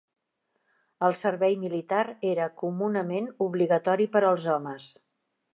El servei militar era, comunament, obligatori per als homes.